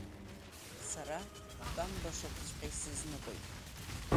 Сара тәамбашақәҵәҟьа исызныҟәеит.